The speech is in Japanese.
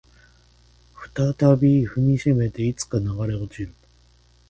再び踏みしめていつか流れ落ちるなら